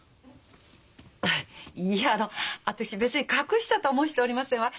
いやあの私別に隠したとは申しておりませんわ。